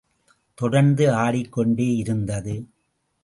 தொடர்ந்து ஆடிக்கொண்டே யிருந்தது.